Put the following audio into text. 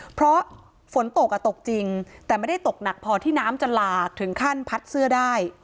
เพราะฝนตกอ่ะตกจริงแต่ไม่ได้ตกหนักพอที่น้ำจะหลากถึงขั้นพัดเสื้อได้